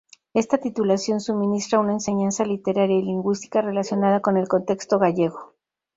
Esta titulación suministra una enseñanza literaria y lingüística relacionada con el contexto gallego.